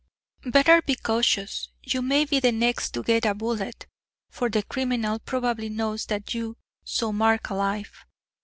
"Better be cautious; you may be the next to get a bullet, for the criminal probably knows that you saw Mark alive.